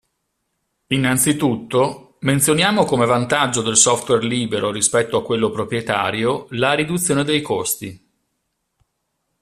Innanzitutto, menzioniamo come vantaggio del software libero rispetto a quello proprietario la riduzione dei costi.